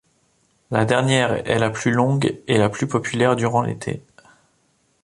La dernière est la plus longue et la plus populaire durant l’été.